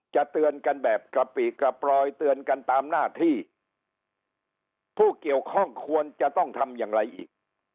เตือนกันแบบกระปิกระปลอยเตือนกันตามหน้าที่ผู้เกี่ยวข้องควรจะต้องทำอย่างไรอีก